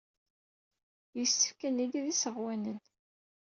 Yessefk ad nili d isɣenwanen.